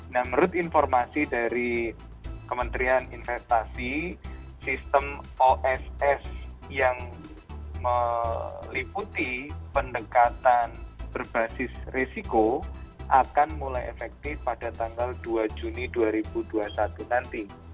nah menurut informasi dari kementerian investasi sistem oss yang meliputi pendekatan berbasis risiko akan mulai efektif pada tanggal dua juni dua ribu dua puluh satu nanti